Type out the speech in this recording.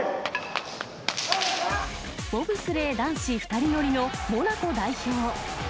ボブスレー男子２人乗りのモナコ代表。